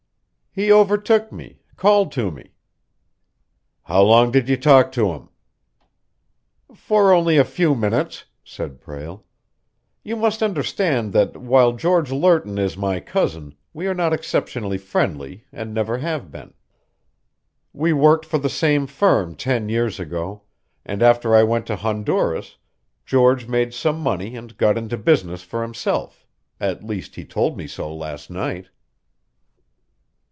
"He overtook me called to me." "How long did you talk to him?" "For only a few minutes," said Prale. "You must understand that, while George Lerton is my cousin, we are not exceptionally friendly, and never have been. We worked for the same firm ten years ago, and after I went to Honduras, George made some money and got into business for himself; at least he told me so last night."